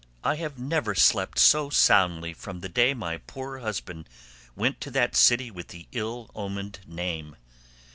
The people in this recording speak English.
I have never slept so soundly from the day my poor husband went to that city with the ill omened name.